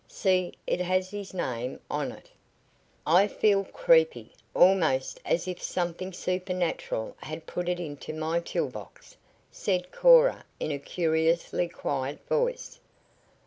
"See, it has his name on it." "I feel creepy almost as if something supernatural had put it into my tool box," said Cora in a curiously quiet voice.